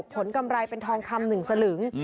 ผลกำไรเป็นทองคำหนึ่งสลึง